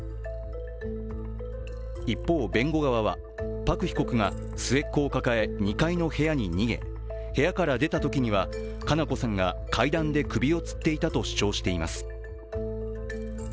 一方、弁護側はパク被告が末っ子を抱え２階の部屋に逃げ部屋から出たときには佳菜子さんが階段で首をつっていたと主張しています。